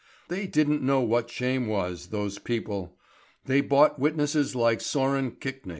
They didn't know what shame was, those people! They bought witnesses like that Sören Kvikne.